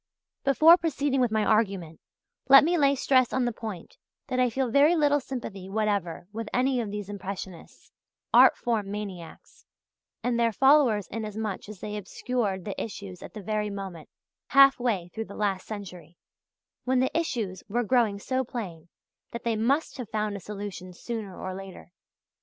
Before proceeding with my argument, let me lay stress on the point that I feel very little sympathy whatever with any of these impressionists, art form maniacs, and their followers inasmuch as they obscured the issues at the very moment half way through the last century when the issues were growing so plain that they must have found a solution sooner or later.